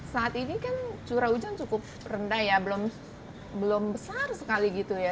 saat ini kan curah hujan cukup rendah ya belum besar sekali gitu ya